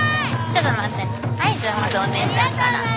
ちょっと待ってね。